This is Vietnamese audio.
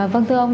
vâng thưa ông